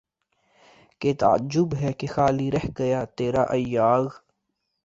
کیا تعجب ہے کہ خالی رہ گیا تیرا ایاغ